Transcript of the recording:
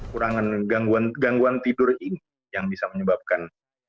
kurangan gangguan tidur ini yang bisa menyebabkan